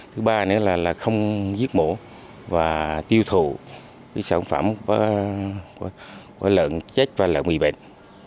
thứ ba nữa là không giết mổ và tiêu thụ sản phẩm có lợn chết và lợn bị bệnh